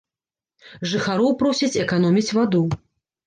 Жыхароў просяць эканоміць ваду.